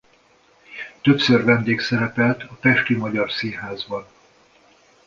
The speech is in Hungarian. Többször vendégszerepelt a Pesti Magyar Színházban.